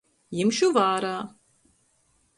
Jimšu vārā.